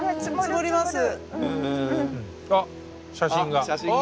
あっ写真が。